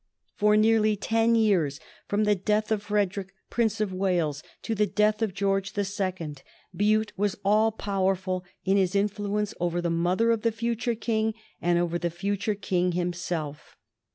For nearly ten years, from the death of Frederick, Prince of Wales, to the death of George the Second, Bute was all powerful in his influence over the mother of the future King and over the future King himself.